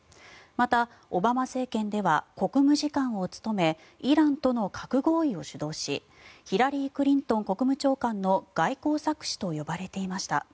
また、オバマ政権では国務次官を務めイランとの核合意を主導しヒラリー・クリントン国務長官の外交策士と呼ばれていました。